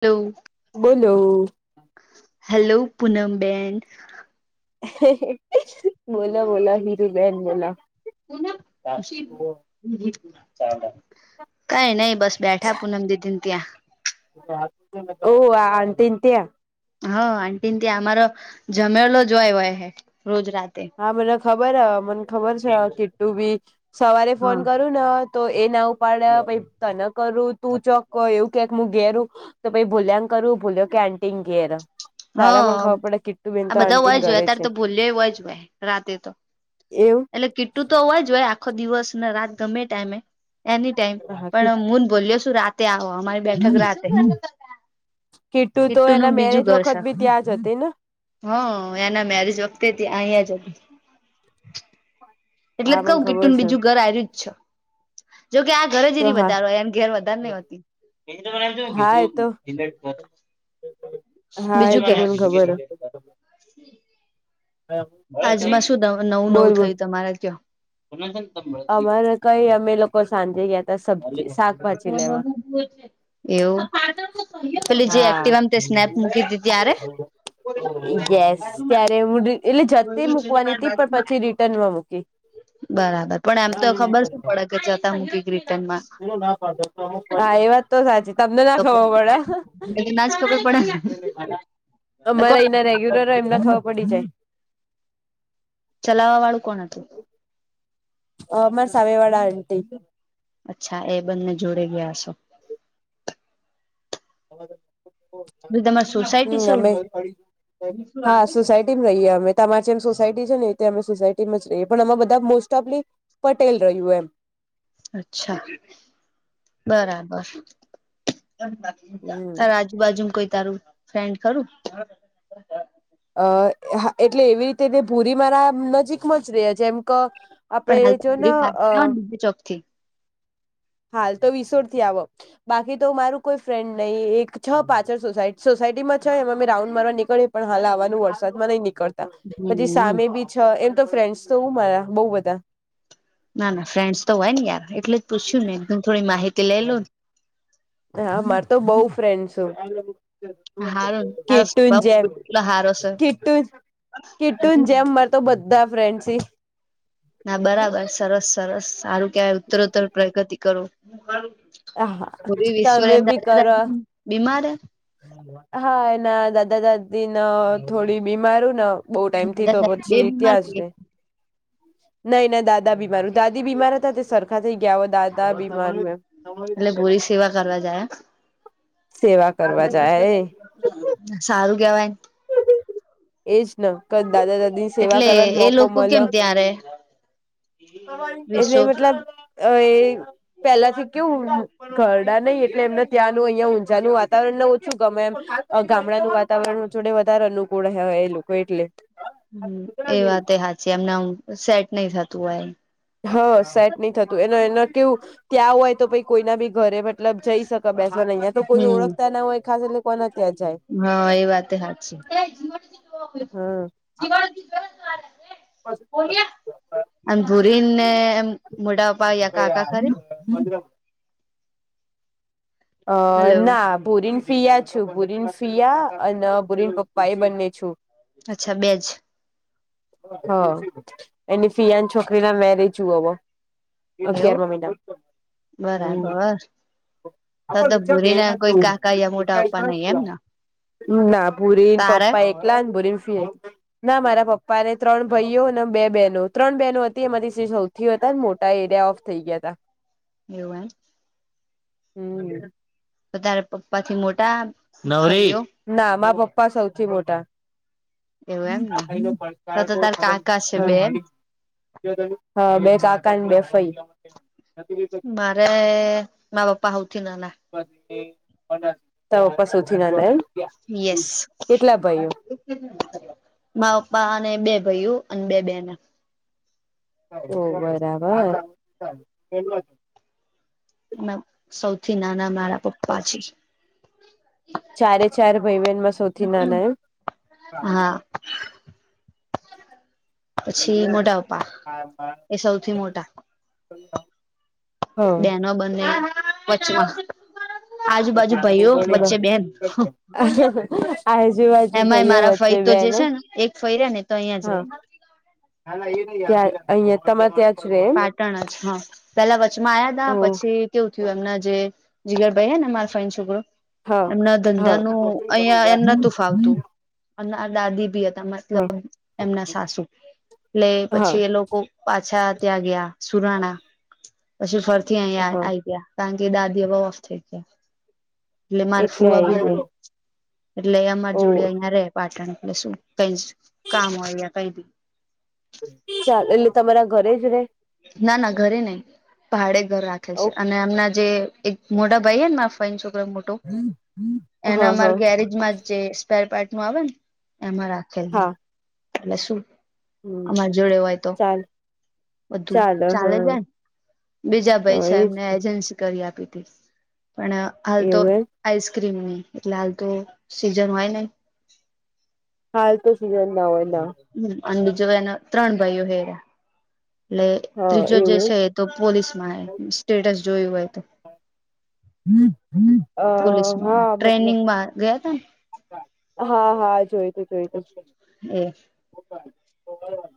Hello. બોલો. Hello Poonam બેેન. બોલો-બોલો હિરુબેન બોલો. [inaudible] કાઈ નઈ. બસ બેઠા પૂનમ દીદીને ત્યાં. ઓહ આ આંટી ને ત્યાં. હા આટી ત્યા અમારો જમેલો જ જોય હોય હે રોજ રાતે. હા મને ખબર હ મને ખબર છે કિટ્લુ બી સવારે ફોન હા કરું ન.. તો એ ના ઉપાડ્યા પછી તને કરું તું ચોક હોય એવું... કેક હું ઘેરું તો પછી ભૂલ્યાંને કરું ભૂલ્યો કેય આંટીના ઘેરે. તારે મને હ ખબર પડે કીટ્ટું બેન તો આંટીના ઘરે છે. દેવ જ ભાઈ રાતે તો. એવું. એટલે કીટું તો હોવા જો હોય આખો દિવસ ને રાત ગમે એ ટાઈમે. એની ટાઈમ હા પણ હું ને ભૂલ્યો શું રાતે આવો અમારે... બેઠક રાતે. કીટુ તો એના કિટુનું બીજું મેરેજ ઘર છે. [unintelligible] હ એના મેરેજ વખતે થી અહીંયા જ હતી. એટલે જ હા મને કવું ખબર કીટુંનું છે બીજું ઘર આયરુ જ છ જોકે આ ઘર જ તો એ હા વધારે હોય એની ઘેર... હા એ તો [unintelligible] હા એ બીજું [inaudible] તો મને ખબર આજમાં શું નવું નવું હ બોલ નવું બોલ થયું તમારા ત્યાં? અમારે કઈ અમે લોકો સાંજે ગયા તા સબ્જી શાકભાજી લેવા [unintelligible] એવું પેલી જે હા એક્ટિવામ તે સ્નેપ મૂકી હતી ત્યારે યસ ત્યારે હું એટલે જતી મૂકવાની હતી પણ પછી રિટર્ન માં મૂકી. બરાબર પણ એમ તો ખબર શું પડે કે જતાં હ રિટનમા. હા એ વાત તો સાચી તમને તો ના ખબર ના જ ખબર પડે પડે. ને. અમારે કોણ એના રેગ્યુલર એમના ખબર પડી જાય. ચલાવાવાળું કોણ હતું? અ માર સામે વાડા આન્ટી અચ્છા એ બંને જોડે ગયા હશે. તો તમારી સોસાયટી હમ છે અમે હા સુસાઈડ રહીએ અમે તમારે જેમ સોસાયટી છે ને અમે સોસાયટીમાં જ રહીએ પણ અમે બધા મોસ્ટઓફલી પટેલ રહ્યું એમ અચ્છા બરાબર. હમ તારા આજુબાજુ કોઈ તારું ફ્રેન્ડ ખરું. અ હા એટલે એવી રીતે તે ભૂરી મારા નજીકમાં જ રહ્યા છે જેમ ક, આપણે પણ હાલ એ જો ન અ બાર ચોક થી હાલ તો વિસોરથી આવ. બાકી તો મારું કોઈ ફ્રેન્ડ નહી એક છ પાછળ સોસાય સોસાયટીમાં છ એમાં મેં રાઉન્ડ મારવા નીકળ પણ હાલ આવાનું વરસાદ નહી નીકળ પછી હમ સામે બી છ એમ તો ફ્રેન્ડસ તો મારા બઉ બધા. ના ના ફ્રેન્ડ્સ તો હોય ને યાર એટલે જ પૂછ્યું ને [unintelligible] થોડી માહિતી લઈ લો ન હા મારે તો બઉ ફ્રિન્ડ્સ છે. ને હારું તારો કીટુંન સ્વભાવ જેમ કેટલો હારો છે કીટું. કીટુંન જેમ મારે તો બધા ફ્રેન્ડ છી. ના બરાબર સરસ સરસ સારું કેવાય ઉત્તરોત્તર પ્રગતિ કરો. બધી વિશ્વ તમે બી કરો [unintelligible] બીમાર હે હા એના દાદા દાદી ન થોડી બીમારુ ન. બઉુ ટાઈમથી દાદા તો દાદી બે પછી બીમાર ત્યાંજ રેય. નહી ના દાદા બીમાર દાદી બીમાર હતા તે સરખા થઈ ગયા હો દાદા બીમાર એ એટલે ગોરી સેવા કરવા જાય એમ. સેવા કરવા જાય એ સારું કેવાયન એજ ન ક દાદા દાદી. સેવા એટલે કરવાનો એ મોકો લોકો મલ કેમ ત્યાં રે એટલે રિસોર્ટ એટલા. અ એ પેલાથી કેવું, ઘરડા નહી એટલે એમને ત્યાંનું અહિયાં ઊંઝાનું વાતાવરણ ન ઓછું ગમે એમ ગામડાનું વાતાવરણ. જોડે વધારે અનુકૂળ હો એ લોકો એટલે. હ એ વાતે હાચી એમના સેટ નહી થતું હોય. હ સેટ નહી થતું એ એના કેવું ત્યાં હોય તો કોઈના બી ઘરે મતલબ જઈ શક બેસોની અયાં તો કોઈને ઓળખતા ના હોય ખાસ એટલે કોના ત્યાં જાય. હ એ વાતે હાચી. હમ [inaudible] [unintelligible] એમ પુરીને એમ.. મોડાઅપ્પા [unintelligible] [unintelligible] અ હલો ના ભુરીન ફિયા છું ભુરીન સિયા અન ભુરીન પપ્પાએ બંને છું. અચ્છા બેજ. હ એની ફિયાન છોકરીના મેરેજ જોવોવો. એવું અગિયારમાં મહિનામ. બરાબર ત તો ભૂરીના કોઈ કાકા યા મોટા પપ્પા નહી એમ ન. ના ભુરીન પપ્પા એકલા જ ન ભુરીન ફી એક. ના મારા પપ્..... મારે ત્રણ ભઈઓ અન બે બેહેનો ત્રણ બહેનો હતી. એમાંથી સે સૌથી વધારે મોટા એરિયા ઓફ થઈ ગયા તા. એ [unintelligible] હમ્મ. તો તારે પપ્પાથી મોટા નવરી [unintelligible] ના માં પપ્પા સૌથી મોટા. એવું એમ ને તો તો તાર કાકા છે બે [unintelligible] હા બે કાકાને બે ફઈ [unintelligible] મારે મા પપ્પા હઉથી નાના. [unintelligible] તારા પપ્પા સૌથી નાના એમ. યેશ. કેટલા ભાઈઓ મા અપ્પા અને બે ભઈઓ અને બે બેનો. ઓ બરાબર. [unintelligible] નમ સૌથી નાના મારા પપ્પા છે. ચારે ચાર ભઈ બેનમાં સૌથી નાના એમ? હા. પછી મોટા અપ્પા એ સૌથી મોટા. [unintelligible] ન્તા. બેનો બંને [unintelligible] આજુબાજુ ભાઈઓ વચ્ચે બેન આજુબાજુ એમાંય ભાઈઓ મારા વચ્ચે ફઈ તો જે બેને છે ને. એક ફય રયને તો અહીંયા જ રે. ક્યાંય અહિયાં તમારે ત્યાં. જ રે એમ પાટણ જ હ પેલા વચમાં આયા ઓ તા પછી. કેવું થયું એમના જે જીગરભાઈ હેને મા ફાઈના છોકરો હા એમના હા ધંધાનું અહિયાં એમ નતું ફાવતું. અમના અ દાદી બી હતા હા મતલબ એમના સાસુ એટલે હા પછી એ લોકો, પાછા ત્યાં ગ્યા સુરાણા પછી ફરથી અહીયા હા આઈ ગ્યા. કારણ કે દાદી અવે ઓફ થાય ગ્યા એટલે મારે ફુવા આઈ બી ગયા નહી. એટલે અમાર ઓ જોડે અહિયાં રે પાટણ એટલે શું કઈ જ કામ હોય યા કઈ બી. ચાલ એટલે તમારા ઘરે જ રેય? ના ના ઘરે નઈ ભાડે ઘર રાખે ઓ છે. અને એમના જે એક મોટા ભાઈ હે ને મારા ફઈનો છોકરો મોટો હા એના અમારે હા ગેરેજમાં જ જે સ્પેર પાર્ટનું આવેન એમાં રાખેલ છે. હા એટલે શું? હમ અમાર જોડે હોય તો. ચાલ બધું ચાલે જાય બીજા ભઈ હા છે, એજ એમને એજન્સી કરી આપી તી. પણ હાલ તો એવું એમ આઈસક્રીમની એટલે હાલ તો સીઝન હોય ને. હાલ તો સીઝનના હોય ના. અન જરાં એના ત્રણ ભાઈઓ હેર્યા એટલે હા ત્રીજો જે એવું એમ છે. તો પોલીસ માં સ્ટેટસ જોયું હોય તો હમ્મ હમ્મ અ પોલીસમાં હા મતલબ ટ્રેનિંગમાં ગયા તા ને હા હા જોયતું જોયતું હમ્મ. [inaudible]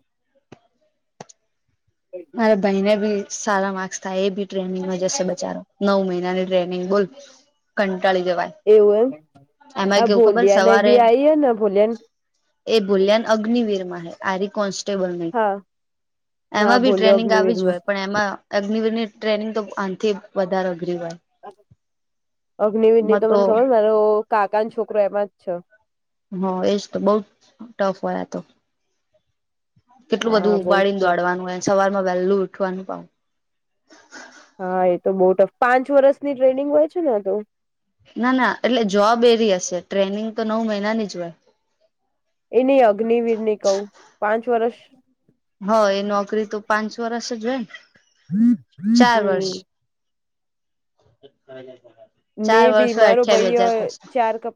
મારા ભાઈને બી સારા માર્ક્સ થાય એ બી ટ્રેનિંગમાં જશે બચારો નવ મહિનાની ટ્રેનિંગ બોલ કંટાળી જવાય એવું એમ એમાં આ કેવું ખબર ભોલિયાને એ સવારે બી આવી હે ને ભોલિયાન એ ભૂલ્યાન અગ્નવીર માં આરી કોન્સ્ટેબલ ન હા હા એમાં બી ભોલ્યો ટ્રેનિંગ અગ્નિવીર આવી જ માં હોય પણ એમાં અગ્નિવરની ટ્રેનિંગ તો આથી વધારે અઘરી હોય અગ્નિવર ની તો મને ખબર મારો કાકા છોકરો એમાં જ છે હ એજ તો બઉ ટફ હોય આતો કેટલું હા બધું બઉ જ ઉપાડીને ટફ દોડવાનું હોય સવારમાં વહેલું ઉઠવાનું પાહુ હા એ તો બઉ ટફ પાંચ વર્ષની ટ્રેનિંગ હોય છે ને આતો ના ના એટલે જોબ એવી હશે ટ્રેનિંગ તો નવ મહિનાની જ હોય એ નય અગ્નવીર ની કહું પાંચ વર્ષ હ એ નોકરી તો પાંચ વર્ષ જ હોય ને ચાર વર્ષ હમ [unintelligible] મે ચાર બી વર્ષ હોય મારો અઠ્યાવીસ હજાર ભાઈ પાછું ચાર કપ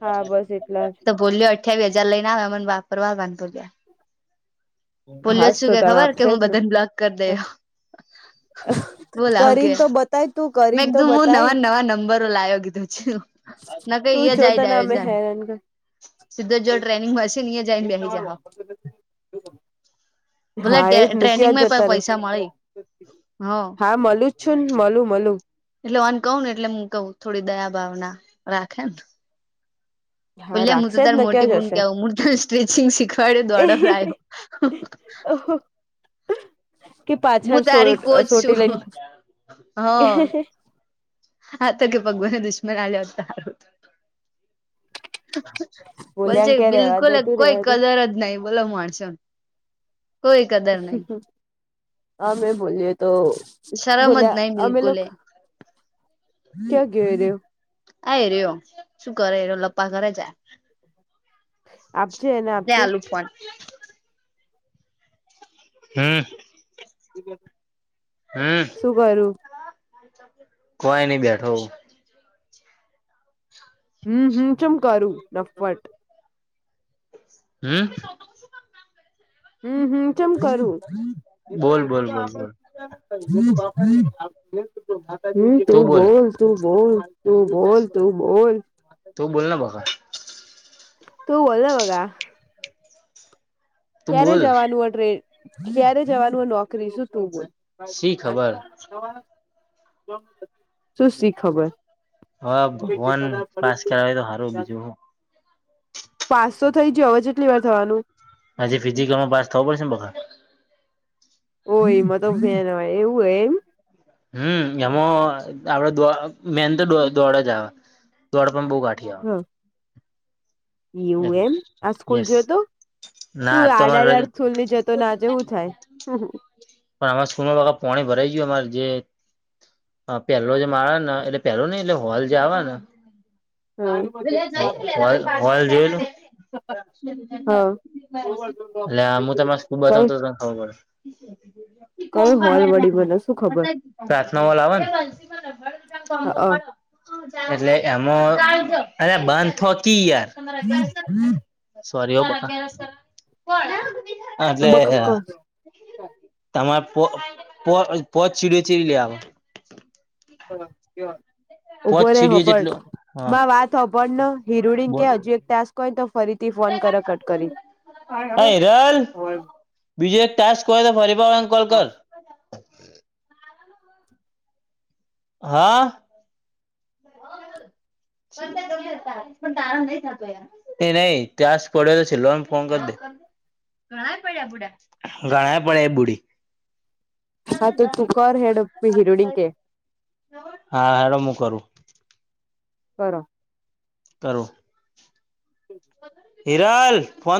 હા બસ એટલા તો ભોલ્યો અઠાવી હજાર લઈન આવે મને વાપરવા [unintelligible] ભોલ્યો હાસ જ શું તો કે તને ખબર કે આપશે હું જ બધા ને બ્લોક કરી ને દેય બોલાવું કે કરીને તો બતાય તું મેં કરીને તો એકધું હું બતાય નવા નવા નંબરો લાયો કીધું છુ ના કઈ તું ઈયા જો જાય તને ડાયજ અમે હેરાન સીધો જ જો ટ્રેનિંગમાં હસે ન્યા જઈને બેસી જાશો [inaudible] ભલે હા એજ ને ત્યાં ટ્રેનિંગમાં પણ જતાં પૈસા રેસુ મળી હ હા મલું જ છું ને મલું મલું એટલે આન કહું ને એટલે હું કવું થોડી દયા ભાવના રાખેને હા ભોલ્યા હું તો રાખશે જ તાર ને મોટી ક્યાં બૂન જશે કેવાવ મુ તારી સ્ટ્રેચિંગ શીખવાડ દોડો રાયો અહો હું તારી કોચ સોટી છું [inaudible] હ લઈને આ કે ભગવાને દુશ્મન આલીયો હોતો હારૂ હતુ બોલ બોલ્યા છે કે રેવા બિલકુલ દે તું કોઈ રેવા દે કદર જ નહીં બોલો માણસો ને હમ્મ હમ્મ હા મેં બોલીએ તો શરમ જ બોલ્યા નહી અમે લો બિલકુલ એ ક્યા ક્યા ગયો આ રહ્યો શું કરે લપા કરે જાય આપજે એને લે આપજે આલું ફોન હમ્મ. [inaudible] હમ્મ. શું કરું કોઈ નઈ બેઠો હુ હમ્મ હમ્મ ચુંમ કરું નફટ હમ હમ હમ ચેમ કરું હમ હમ, બોલ બોલ બોલ બોલ હમ તું બોલ તું બોલ તું બોલ તું બોલ તું બોલના બકા તુંબોલ ને બગા તું ક્યારે બોલ જવાનું હો ટ્રેન, ક્યારે જવાનું હો નોકરી શું તું બોલ? શી ખબર [inaudible] શું શી ખબર? હા, ભગવાન પાસ કરે તો સારું બીજું હું! પાંસો થઈ જ્યો, હવે જેટલી વાર થવાનું. હજી ફિઝિકલમાં પાસ થવું પડશે ને બકા! ઓ એમાં [inaudible] હોય એવું હો એમ! હમ એમાં આપડ દો મેન તો દો-દોડ જ આવે. દોડ પણ બો ગાઠી હો્ હ એવું એમ આ સ્કૂલ યસ જોયો તો! ના તું તો અમારે રજા આડાદડ થુલની જતો, ના આજે શું થાય? હું-હ પણ અમારા સ્કૂલમાં ઓલા પાણી ભરાઈ ગયું અમારે જે હા પેલો જ માળ ને એટલે પેહલો નઈ એટલે હોલ જે આવે ને હા કઈ [unintelligible] હો-હોલ હોલ [inaudible] એ હું તમને સ્કૂ ્રસ્તો બતાવતો એટલે ખબર કઈ હોલ વળી [unintelligible] ્ મને શું ખબર [unintelligible] ચારસો વાલા આવે ને [unintelligible] નવાણું ના કોમ્બો હ મળે. [inaudible] એટલે એમાં અરે બંધ થકી યાર. સોરી હા બકા, [inaudible] આ જે બકક આ. તમારે પો પો પોચ્ ચીડ ચીડી લેવા. હા, કયાં? પોચ ઉભો રે સીડીઓ હોભ્ળ, જેટલું હા માં વાત હોભ્ળને હિરુડી બોલ કે હજુ એક ટાસ્ક કઈ તો ફરીથી ફોન કરે કટ કરી ને. હ હિરલ બીજું એક ટાસ્ક હોય તો ફરી પા કોલ કર. હા. શવ્ધ કરી હતા પણ તારામ નય થતું યાર્. એ નઈ ટાસ્ક પડ્યો છે, લોને ફોન કરી દે. ઘણા પડ્યા બુડા, ઘણા પડ્યા એ બુડી. આ તો તુ કર હેડ અપ હિરુડીન્ કેે. હા હેડ હું કરું. કરો. કરુ. હિરાલ ફોન તો